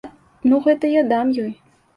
Ну, гэты я дам ёй.